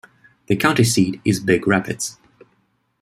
The county seat is Big Rapids.